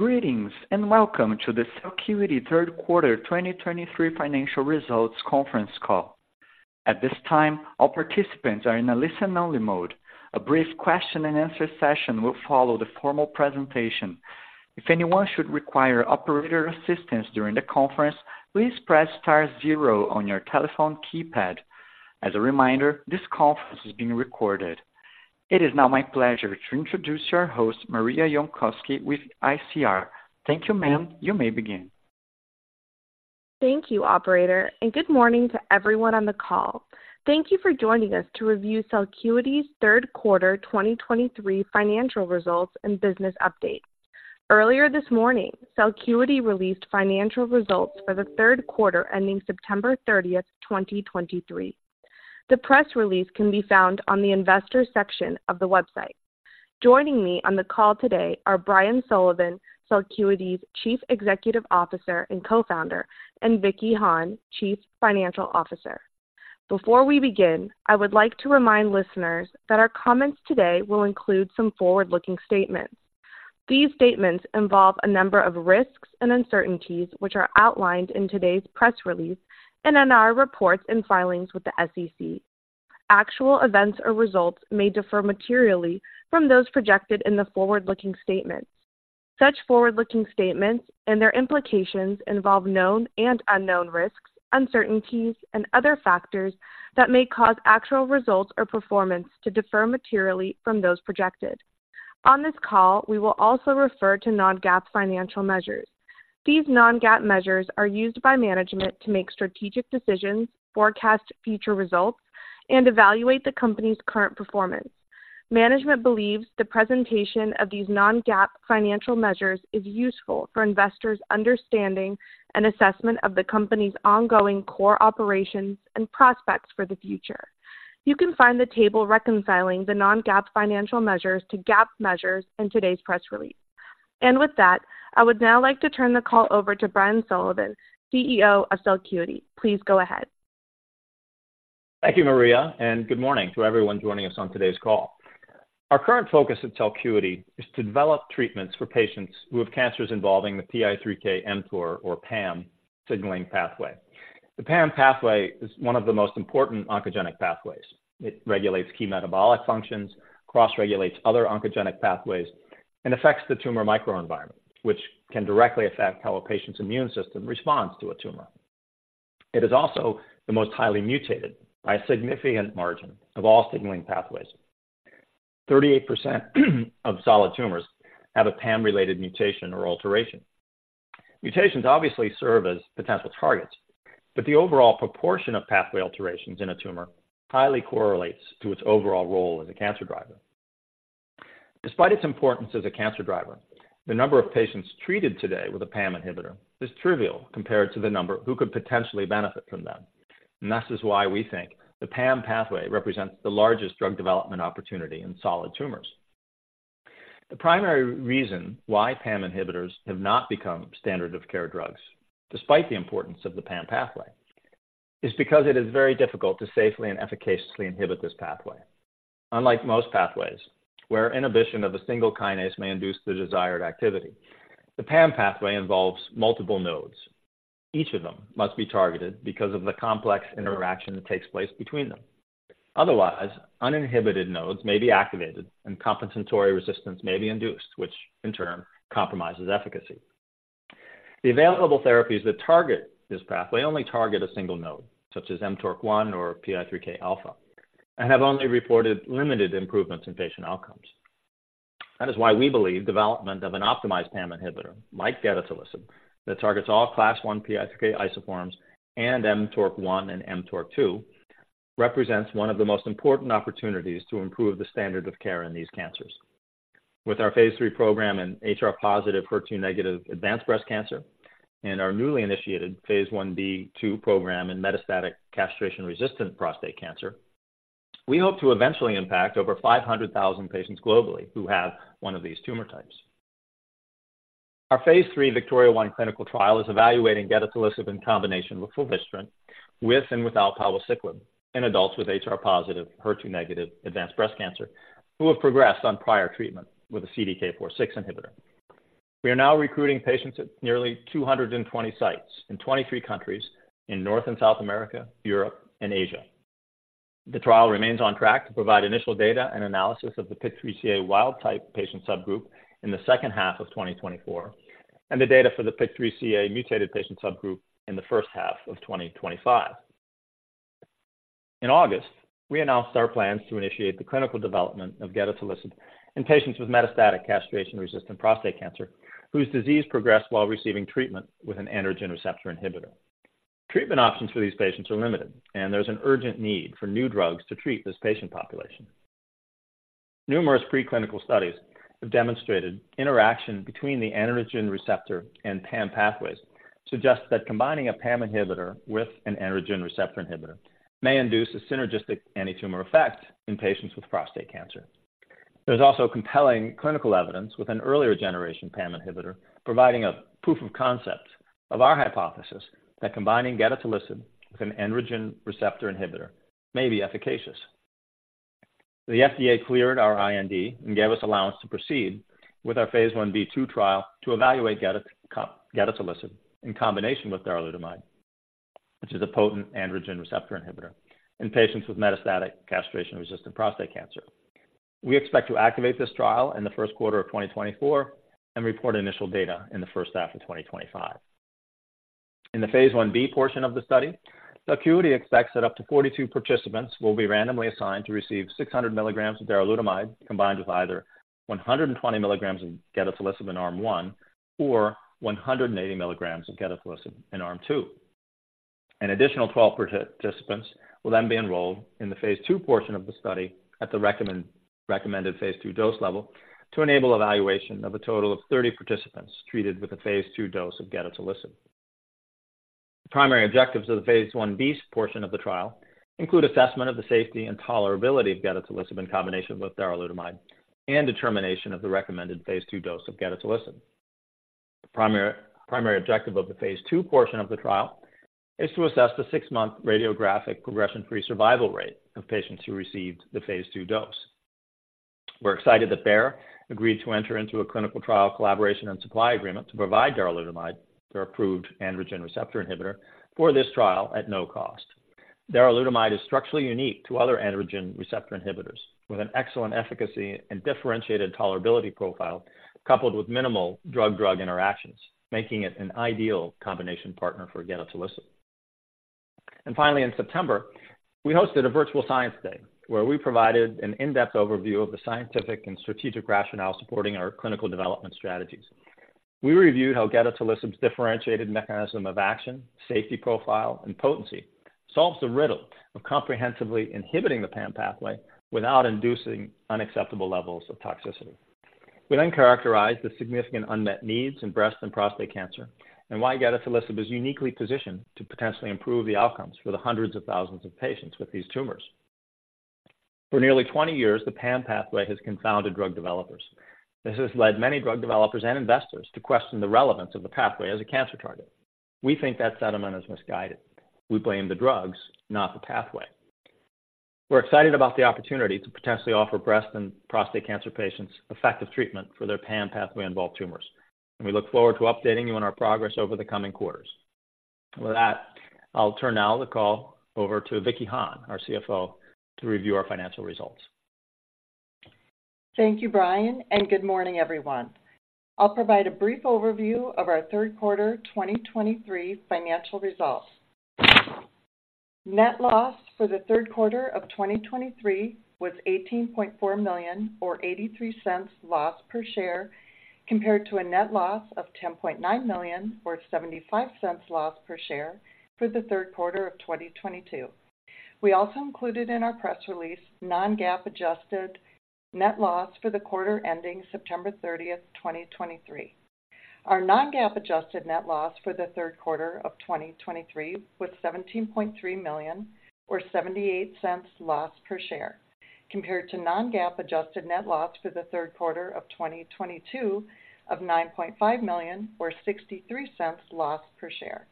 Greetings, and welcome to the Celcuity third quarter 2023 financial results conference call. At this time, all participants are in a listen-only mode. A brief question-and-answer session will follow the formal presentation. If anyone should require operator assistance during the conference, please press star zero on your telephone keypad. As a reminder, this conference is being recorded. It is now my pleasure to introduce our host, Maria Yonkoski, with ICR. Thank you, ma'am. You may begin. Thank you, operator, and good morning to everyone on the call. Thank you for joining us to review Celcuity's third quarter 2023 financial results and business update. Earlier this morning, Celcuity released financial results for the third quarter, ending September 30, 2023. The press release can be found on the investor section of the website. Joining me on the call today are Brian Sullivan, Celcuity's Chief Executive Officer and Co-founder, and Vicky Hahne, Chief Financial Officer. Before we begin, I would like to remind listeners that our comments today will include some forward-looking statements. These statements involve a number of risks and uncertainties, which are outlined in today's press release and in our reports and filings with the SEC. Actual events or results may differ materially from those projected in the forward-looking statements. Such forward-looking statements and their implications involve known and unknown risks, uncertainties, and other factors that may cause actual results or performance to differ materially from those projected. On this call, we will also refer to non-GAAP financial measures. These non-GAAP measures are used by management to make strategic decisions, forecast future results, and evaluate the company's current performance. Management believes the presentation of these non-GAAP financial measures is useful for investors' understanding and assessment of the company's ongoing core operations and prospects for the future. You can find the table reconciling the non-GAAP financial measures to GAAP measures in today's press release. With that, I would now like to turn the call over to Brian Sullivan, CEO of Celcuity. Please go ahead. Thank you, Maria, and good morning to everyone joining us on today's call. Our current focus at Celcuity is to develop treatments for patients who have cancers involving the PI3K/mTOR or PAM signaling pathway. The PAM pathway is one of the most important oncogenic pathways. It regulates key metabolic functions, cross-regulates other oncogenic pathways, and affects the tumor microenvironment, which can directly affect how a patient's immune system responds to a tumor. It is also the most highly mutated by a significant margin of all signaling pathways. 38% of solid tumors have a PAM-related mutation or alteration. Mutations obviously serve as potential targets, but the overall proportion of pathway alterations in a tumor highly correlates to its overall role as a cancer driver. Despite its importance as a cancer driver, the number of patients treated today with a PAM inhibitor is trivial compared to the number who could potentially benefit from them, and this is why we think the PAM pathway represents the largest drug development opportunity in solid tumors. The primary reason why PAM inhibitors have not become standard of care drugs, despite the importance of the PAM pathway, is because it is very difficult to safely and efficaciously inhibit this pathway. Unlike most pathways, where inhibition of a single kinase may induce the desired activity, the PAM pathway involves multiple nodes. Each of them must be targeted because of the complex interaction that takes place between them. Otherwise, uninhibited nodes may be activated, and compensatory resistance may be induced, which in turn compromises efficacy. The available therapies that target this pathway only target a single node, such as mTORC1 or PI3Kα, and have only reported limited improvements in patient outcomes. That is why we believe development of an optimized PAM inhibitor, like gedatolisib, that targets all Class I PI3K isoforms and mTORC1 and mTORC2, represents one of the most important opportunities to improve the standard of care in these cancers. With our Phase III program in HR+, HER2- advanced breast cancer and our newly initiated Phase Ib/2 program in metastatic castration-resistant prostate cancer, we hope to eventually impact over 500,000 patients globally who have one of these tumor types. Our Phase III VIKTORIA-1 clinical trial is evaluating gedatolisib in combination with fulvestrant, with and without palbociclib in adults with HR-positive, HER2-negative advanced breast cancer, who have progressed on prior treatment with a CDK4/6 inhibitor. We are now recruiting patients at nearly 220 sites in 23 countries in North and South America, Europe, and Asia. The trial remains on track to provide initial data and analysis of the PIK3CA wild-type patient subgroup in the second half of 2024, and the data for the PIK3CA mutated patient subgroup in the first half of 2025. In August, we announced our plans to initiate the clinical development of gedatolisib in patients with metastatic castration-resistant prostate cancer, whose disease progressed while receiving treatment with an androgen receptor inhibitor. Treatment options for these patients are limited, and there's an urgent need for new drugs to treat this patient population. Numerous preclinical studies have demonstrated interaction between the androgen receptor and PAM pathways, suggest that combining a PAM inhibitor with an androgen receptor inhibitor may induce a synergistic antitumor effect in patients with prostate cancer. There's also compelling clinical evidence with an earlier generation PAM inhibitor, providing a proof of concept of our hypothesis that combining gedatolisib with an androgen receptor inhibitor may be efficacious. The FDA cleared our IND and gave us allowance to proceed with our Phase Ib/2 trial to evaluate gedatolisib in combination with darolutamide, which is a potent androgen receptor inhibitor in patients with metastatic castration-resistant prostate cancer. We expect to activate this trial in the first quarter of 2024 and report initial data in the first half of 2025. In the Phase Ib portion of the study, Celcuity expects that up to 42 participants will be randomly assigned to receive 600 mg of darolutamide, combined with either 120 mg of gedatolisib in arm 1, or 180 mg of gedatolisib in arm 2. An additional 12 participants will then be enrolled in the Phase II portion of the study at the recommended Phase II dose level, to enable evaluation of a total of 30 participants treated with a Phase II dose of gedatolisib. The primary objectives of the Phase Ib portion of the trial include assessment of the safety and tolerability of gedatolisib in combination with darolutamide, and determination of the recommended Phase II dose of gedatolisib. The primary objective of the Phase II portion of the trial is to assess the 6-month radiographic progression-free survival rate of patients who received the Phase II dose. We're excited that Bayer agreed to enter into a clinical trial collaboration and supply agreement to provide darolutamide, their approved androgen receptor inhibitor, for this trial at no cost. Darolutamide is structurally unique to other androgen receptor inhibitors, with an excellent efficacy and differentiated tolerability profile, coupled with minimal drug-drug interactions, making it an ideal combination partner for gedatolisib. Finally, in September, we hosted a Virtual Science Day, where we provided an in-depth overview of the scientific and strategic rationale supporting our clinical development strategies. We reviewed how gedatolisib's differentiated mechanism of action, safety profile, and potency solves the riddle of comprehensively inhibiting the PAM pathway without inducing unacceptable levels of toxicity. We then characterized the significant unmet needs in breast and prostate cancer, and why gedatolisib is uniquely positioned to potentially improve the outcomes for the hundreds of thousands of patients with these tumors. For nearly 20 years, the PAM pathway has confounded drug developers. This has led many drug developers and investors to question the relevance of the pathway as a cancer target. We think that sentiment is misguided. We blame the drugs, not the pathway. We're excited about the opportunity to potentially offer breast and prostate cancer patients effective treatment for their PAM pathway-involved tumors, and we look forward to updating you on our progress over the coming quarters. With that, I'll turn now the call over to Vicky Hahne, our CFO, to review our financial results. Thank you, Brian, and good morning, everyone. I'll provide a brief overview of our third quarter 2023 financial results. Net loss for the third quarter of 2023 was $18.4 million, or $0.83 loss per share, compared to a net loss of $10.9 million, or $0.75 loss per share for the third quarter of 2022. We also included in our press release non-GAAP adjusted net loss for the quarter ending September 30, 2023. Our non-GAAP adjusted net loss for the third quarter of 2023 was $17.3 million, or $0.78 loss per share, compared to non-GAAP adjusted net loss for the third quarter of 2022 of $9.5 million, or $0.63 loss per share.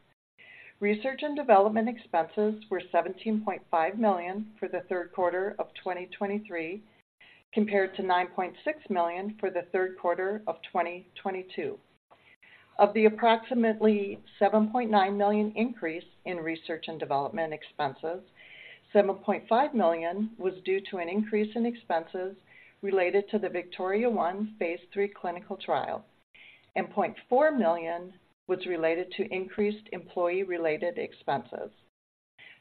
Research and development expenses were $17.5 million for the third quarter of 2023, compared to $9.6 million for the third quarter of 2022. Of the approximately $7.9 million increase in research and development expenses, $7.5 million was due to an increase in expenses related to the VIKTORIA-1 Phase III clinical trial, and $0.4 million was related to increased employee-related expenses.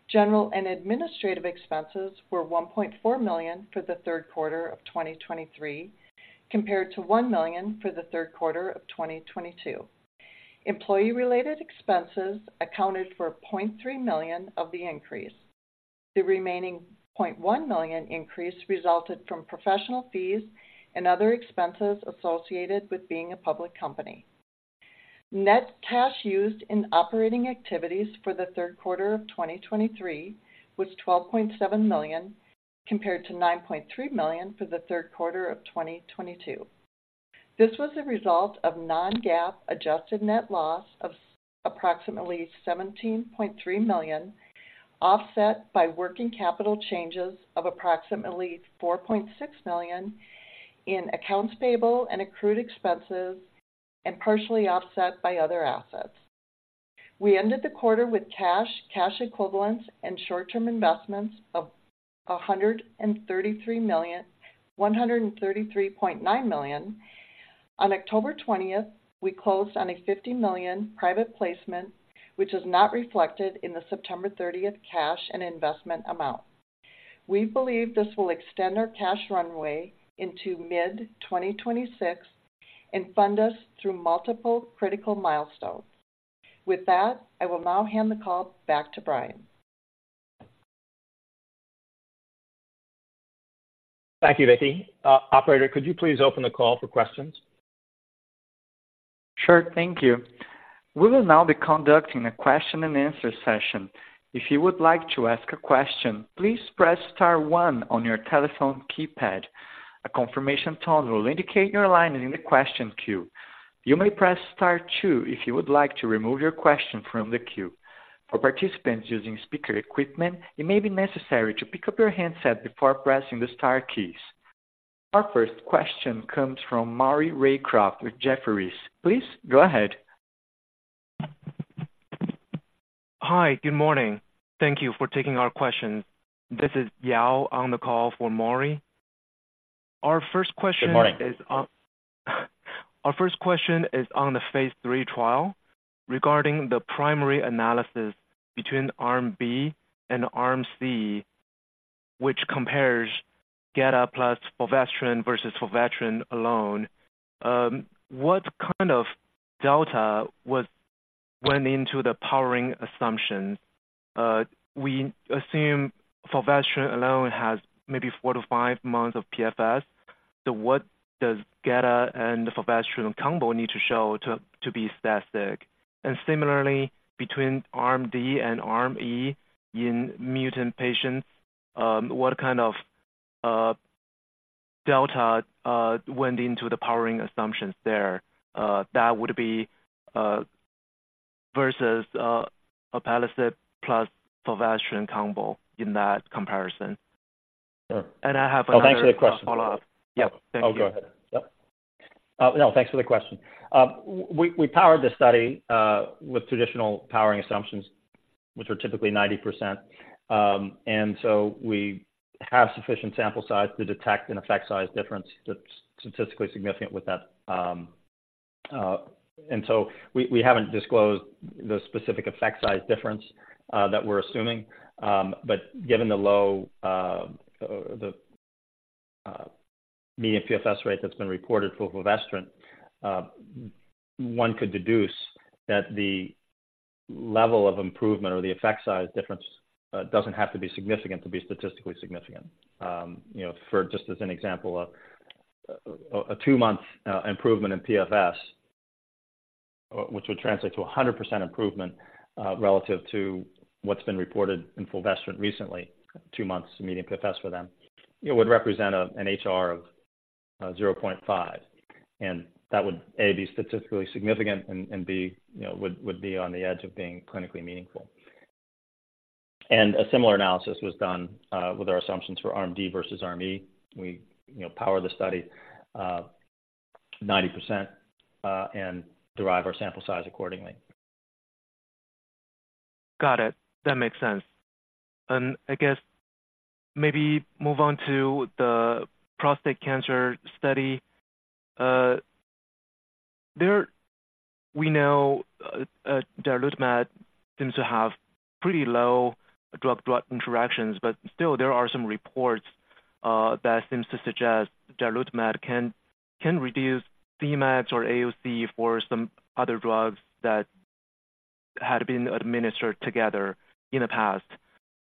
General and administrative expenses were $1.4 million for the third quarter of 2023, compared to $1 million for the third quarter of 2022. Employee-related expenses accounted for $0.3 million of the increase. The remaining $0.1 million increase resulted from professional fees and other expenses associated with being a public company. Net cash used in operating activities for the third quarter of 2023 was $12.7 million, compared to $9.3 million for the third quarter of 2022. This was a result of non-GAAP adjusted net loss of approximately $17.3 million, offset by working capital changes of approximately $4.6 million in accounts payable and accrued expenses, and partially offset by other assets. We ended the quarter with cash, cash equivalents and short-term investments of $133 million—$133.9 million. On October 20, we closed on a $50 million private placement, which is not reflected in the September 30 cash and investment amount. We believe this will extend our cash runway into mid-2026 and fund us through multiple critical milestones. With that, I will now hand the call back to Brian. Thank you, Vicky. Operator, could you please open the call for questions? Sure. Thank you. We will now be conducting a question-and-answer session. If you would like to ask a question, please press star one on your telephone keypad. A confirmation tone will indicate you're in line in the question queue. You may press star two if you would like to remove your question from the queue. For participants using speaker equipment, it may be necessary to pick up your handset before pressing the star keys. Our first question comes from Maury Raycroft with Jefferies. Please go ahead. Hi. Good morning. Thank you for taking our questions. This is Yao on the call for Maury. Our first question is- Good morning. Our first question is on the Phase III trial regarding the primary analysis between arm B and arm C, which compares Geda plus fulvestrant versus fulvestrant alone. What kind of delta went into the powering assumptions? We assume fulvestrant alone has maybe 4-5 months of PFS. So what does Geda and the fulvestrant combo need to show to be statistically? Similarly, between arm D and arm E in mutant patients, what kind of delta went into the powering assumptions there that would be versus alpelisib plus fulvestrant combo in that comparison? Sure. I have another- Well, thanks for the question. Follow-up. Yep. Thank you. Oh, go ahead. Yep. No, thanks for the question. We powered this study with traditional powering assumptions, which are typically 90%. So we have sufficient sample size to detect an effect size difference that's statistically significant with that. So we haven't disclosed the specific effect size difference that we're assuming. But given the median PFS rate that's been reported for fulvestrant, one could deduce that the level of improvement or the effect size difference doesn't have to be significant to be statistically significant. You know, for just as an example, a two-month improvement in PFS, which would translate to a 100% improvement, relative to what's been reported in fulvestrant recently, two months median PFS for them, it would represent an HR of 0.5, and that would, A, be statistically significant and B, you know, would be on the edge of being clinically meaningful. A similar analysis was done with our assumptions for arm D versus arm E. We, you know, power the study 90% and derive our sample size accordingly. Got it. That makes sense. I guess maybe move on to the prostate cancer study. There we know, darolutamide seems to have pretty low drug-drug interactions, but still there are some reports, that seems to suggest darolutamide can, can reduce C-max or AUC for some other drugs that had been administered together in the past.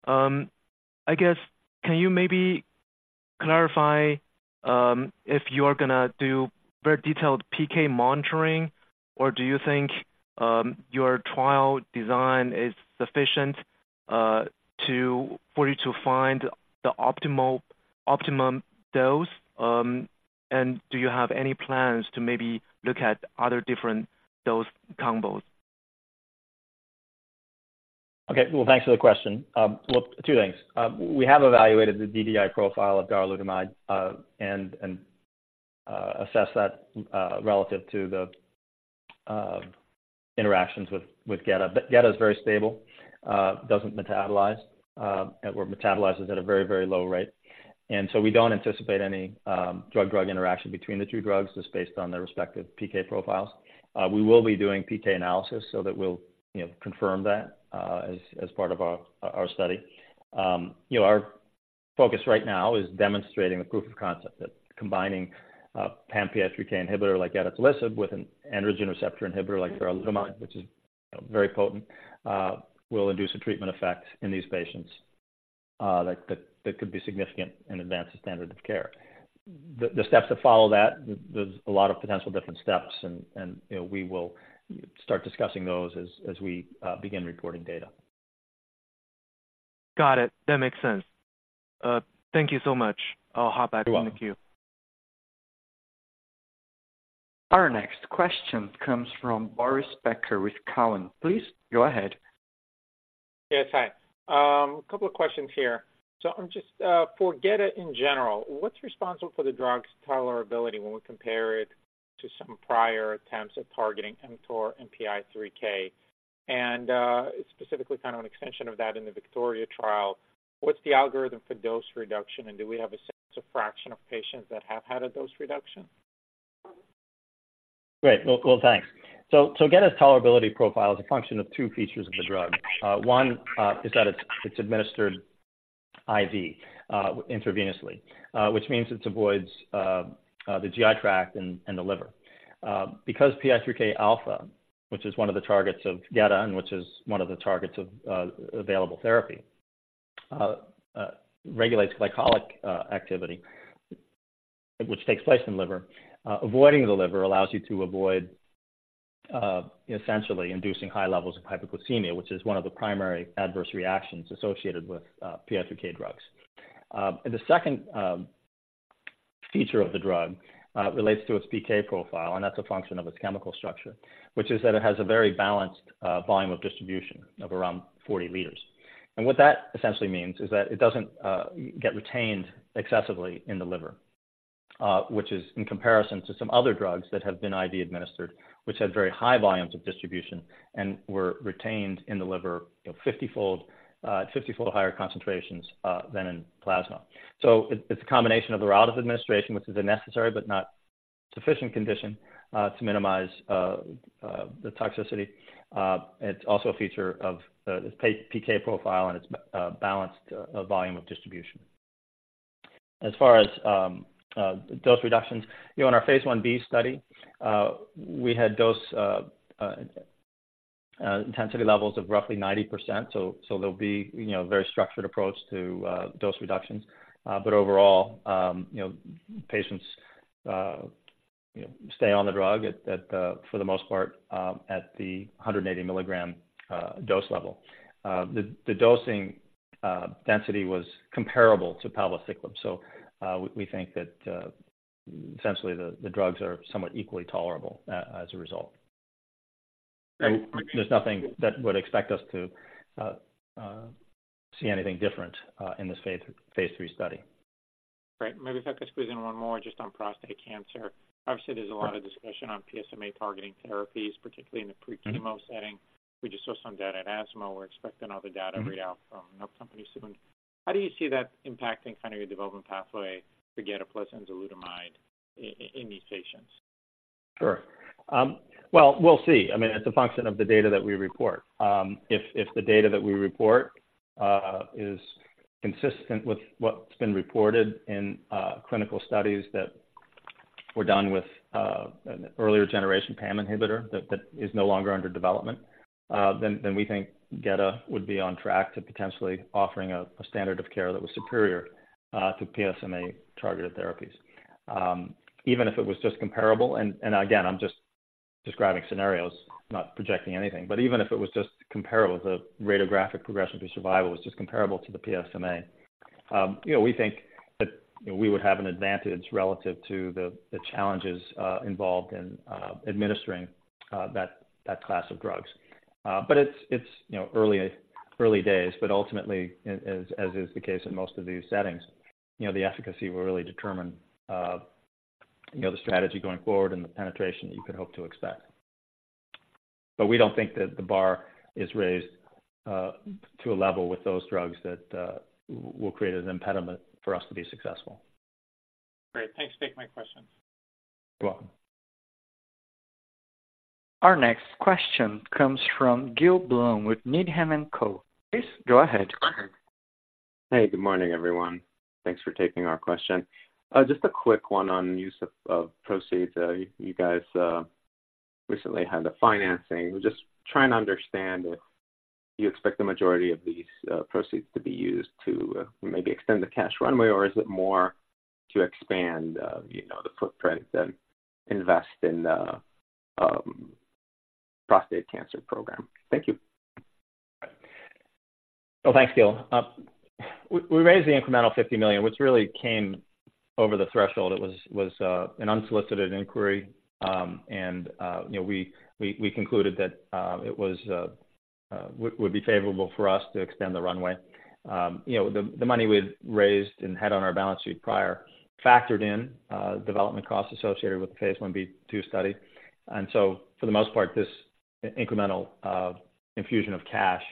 I guess, can you maybe clarify, if you're gonna do very detailed PK monitoring, or do you think, your trial design is sufficient for you to find the optimal, optimum dose and do you have any plans to maybe look at other different dose combos? Okay. Well, thanks for the question. Well, two things. We have evaluated the DDI profile of darolutamide and assessed that relative to the interactions with Geda. But Geda is very stable, doesn't metabolize, or metabolizes at a very, very low rate. So we don't anticipate any drug-drug interaction between the two drugs, just based on their respective PK profiles. We will be doing PK analysis so that we'll, you know, confirm that as part of our study. You know, our focus right now is demonstrating the proof of concept, that combining pan-PI3K inhibitor like gedatolisib with an androgen receptor inhibitor like darolutamide, which is, you know, very potent, will induce a treatment effect in these patients that could be significant and advance the standard of care. The steps that follow that, there's a lot of potential different steps and, you know, we will start discussing those as we begin reporting data. Got it. That makes sense. Thank you so much. I'll hop back- You're welcome. In the queue. Our next question comes from Boris Peaker with Cowen. Please go ahead. Yes, hi. A couple of questions here. So I'm just, for Geda in general, what's responsible for the drug's tolerability when we compare it to some prior attempts at targeting mTOR and PI3K? Specifically, kind of an extension of that in the VIKTORIA trial, what's the algorithm for dose reduction, and do we have a sense of fraction of patients that have had a dose reduction? Great. Well, thanks. So, Geda's tolerability profile is a function of two features of the drug. One is that it's administered IV, intravenously, which means it avoids the GI tract and the liver, because PI3K alpha, which is one of the targets of Geda and which is one of the targets of available therapy, regulates glycolytic activity, which takes place in the liver. Avoiding the liver allows you to avoid essentially inducing high levels of hypoglycemia, which is one of the primary adverse reactions associated with PI3K drugs. The second feature of the drug relates to its PK profile, and that's a function of its chemical structure, which is that it has a very balanced volume of distribution of around 40 L. What that essentially means is that it doesn't get retained excessively in the liver, which is in comparison to some other drugs that have been IV administered, which had very high volumes of distribution and were retained in the liver, you know, 50-fold, 50-fold higher concentrations than in plasma. So it's a combination of the route of administration, which is a necessary but not sufficient condition to minimize the toxicity. It's also a feature of its PK profile and its balanced volume of distribution. As far as dose reductions, you know, in our Phase Ib study, we had dose intensity levels of roughly 90%, so there'll be, you know, a very structured approach to dose reductions. But overall, you know, patients, you know, stay on the drug at, for the most part, at the 180 mg dose level. The dosing density was comparable to palbociclib. So, we think that, essentially, the drugs are somewhat equally tolerable as a result. Great, thank you. There's nothing that would expect us to see anything different in this Phase III study. Great. Maybe if I could squeeze in one more just on prostate cancer. Obviously, there's a lot of discussion on PSMA-targeting therapies, particularly in the pre-chemo setting. We just saw some data at ESMO. We're expecting all the data readout from another company soon. How do you see that impacting kind of your development pathway to Geda plus enzalutamide in these patients? Sure. Well, we'll see. I mean, it's a function of the data that we report. If the data that we report is consistent with what's been reported in clinical studies that were done with an earlier generation PAM inhibitor, that is no longer under development, then we think geda would be on track to potentially offering a standard of care that was superior to PSMA-targeted therapies. Even if it was just comparable, and again, I'm just describing scenarios, not projecting anything, but even if it was just comparable, the radiographic progression to survival was just comparable to the PSMA. You know, we think that we would have an advantage relative to the challenges involved in administering that class of drugs. But it's you know early days, but ultimately, as is the case in most of these settings, you know, the efficacy will really determine you know the strategy going forward and the penetration you could hope to expect. But we don't think that the bar is raised to a level with those drugs that will create an impediment for us to be successful. Great. Thanks for taking my question. You're welcome. Our next question comes from Gil Blum with Needham & Co. Please go ahead. Hey, good morning, everyone. Thanks for taking our question. Just a quick one on use of proceeds. You guys recently had the financing. Just trying to understand if you expect the majority of these proceeds to be used to maybe extend the cash runway, or is it more to expand, you know, the footprint than invest in the prostate cancer program? Thank you. Well, thanks, Gil. We raised the incremental $50 million, which really came over the threshold. It was an unsolicited inquiry and you know, we concluded that it would be favorable for us to extend the runway. You know, the money we'd raised and had on our balance sheet prior factored in development costs associated with the Phase Ib2 study. So for the most part, this incremental infusion of cash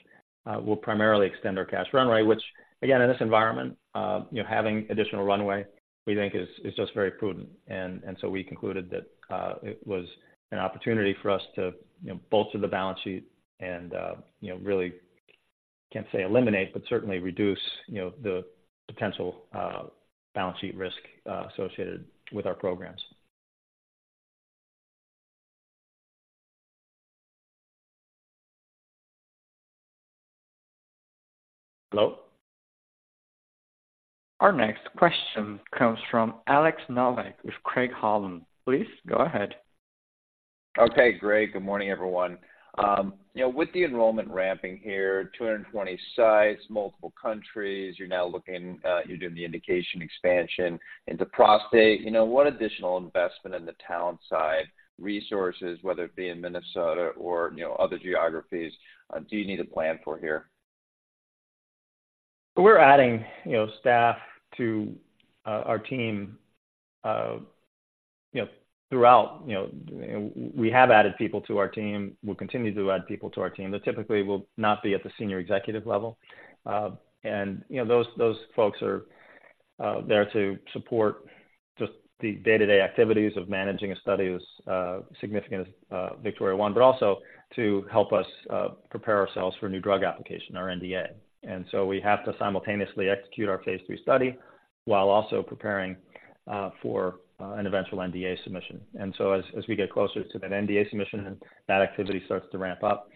will primarily extend our cash runway, which again, in this environment, you know, having additional runway, we think is just very prudent. We concluded that it was an opportunity for us to, you know, bolster the balance sheet and, you know, really, can't say eliminate, but certainly reduce, you know, the potential balance sheet risk associated with our programs. Hello? Our next question comes from Alex Nowak with Craig-Hallum. Please go ahead. Okay, great. Good morning, everyone. You know, with the enrollment ramping here, 220 sites, multiple countries, you're now looking, you're doing the indication expansion into prostate. You know, what additional investment in the talent side, resources, whether it be in Minnesota or, you know, other geographies, do you need to plan for here? We're adding, you know, staff to our team, you know, throughout. You know, we have added people to our team. We'll continue to add people to our team. They typically will not be at the senior executive level and, you know, those folks are there to support just the day-to-day activities of managing a study as significant as VIKTORIA-1, but also to help us prepare ourselves for a new drug application, our NDA. So we have to simultaneously execute our Phase III study while also preparing for an eventual NDA submission. So as we get closer to that NDA submission, and that activity starts to ramp up,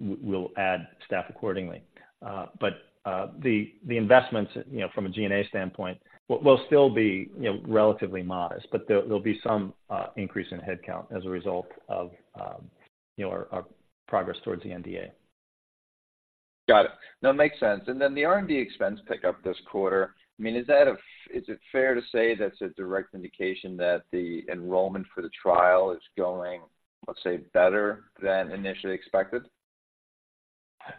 we'll add staff accordingly. But the investments, you know, from a G&A standpoint, will still be, you know, relatively modest, but there'll be some increase in headcount as a result of, you know, our progress towards the NDA. Got it. No, it makes sense. Then the R&D expense pick up this quarter, I mean, is it fair to say that's a direct indication that the enrollment for the trial is going, let's say, better than initially expected?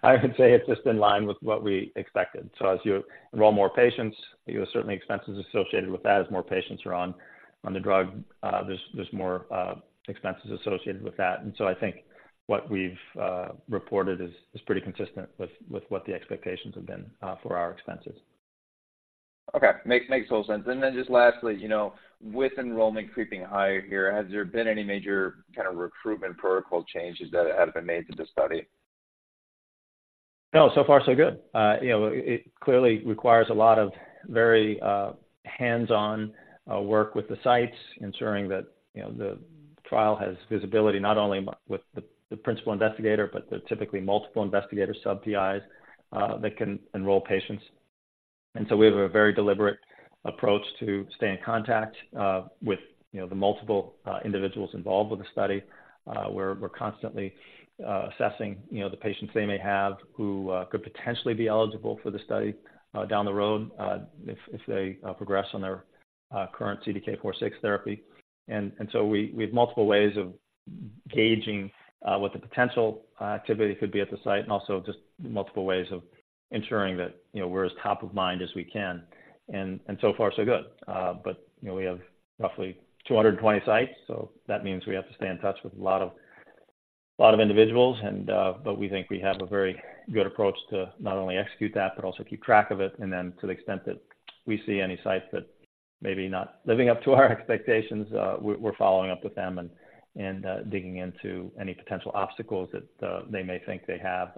I would say it's just in line with what we expected. So as you enroll more patients, you have certainly expenses associated with that. As more patients are on the drug, there's more expenses associated with that. So I think what we've reported is pretty consistent with what the expectations have been for our expenses. Okay. Makes total sense. Then just lastly, you know, with enrollment creeping higher here, has there been any major kind of recruitment protocol changes that have been made to the study? No. So far, so good. You know, it clearly requires a lot of very hands-on work with the sites, ensuring that, you know, the trial has visibility, not only with the principal investigator, but the typically multiple investigators, sub-PIs that can enroll patients. So we have a very deliberate approach to stay in contact with, you know, the multiple individuals involved with the study. We're constantly assessing, you know, the patients they may have who could potentially be eligible for the study down the road, if they progress on their current CDK4/6 therapy. So we have multiple ways of gauging what the potential activity could be at the site, and also just multiple ways of ensuring that, you know, we're as top of mind as we can, and so far, so good. But, you know, we have roughly 220 sites, so that means we have to stay in touch with a lot of individuals. But we think we have a very good approach to not only execute that, but also keep track of it. Then, to the extent that we see any sites that may be not living up to our expectations, we're following up with them and digging into any potential obstacles that they may think they have,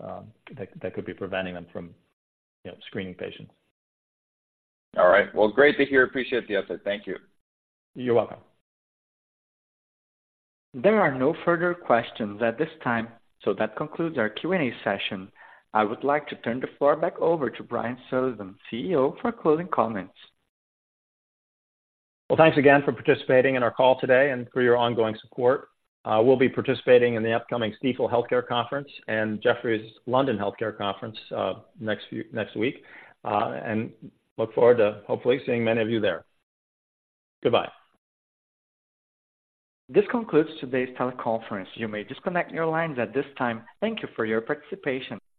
that could be preventing them from, you know, screening patients. All right. Well, great to hear. Appreciate the update. Thank you. You're welcome. There are no further questions at this time, so that concludes our Q&A session. I would like to turn the floor back over to Brian Sullivan, CEO, for closing comments. Well, thanks again for participating in our call today and for your ongoing support. We'll be participating in the upcoming Stifel Healthcare Conference and Jefferies London Healthcare Conference, next week, and look forward to hopefully seeing many of you there. Goodbye. This concludes today's teleconference. You may disconnect your lines at this time. Thank you for your participation.